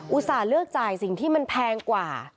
เลือกจ่ายสิ่งที่มันแพงกว่า